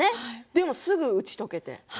でも、すぐに打ち解けて。